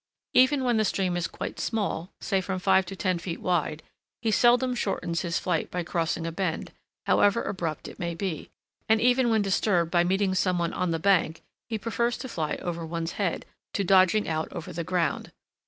Even when the stream is quite small, say from five to ten feet wide, he seldom shortens his flight by crossing a bend, however abrupt it may be; and even when disturbed by meeting some one on the bank, he prefers to fly over one's head, to dodging out over the ground.